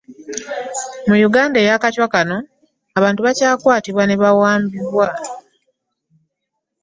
Mu Uganda eya kaco kano, abantu bakyakwatibwa ne bawambibwa.